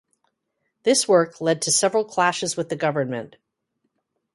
This work led to several clashes with the Government.